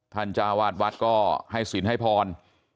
จ้าวาดวัดก็ให้สินให้พร